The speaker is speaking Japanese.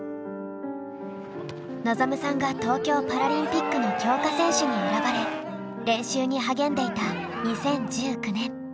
望さんが東京パラリンピックの強化選手に選ばれ練習に励んでいた２０１９年ももこさんが妊娠。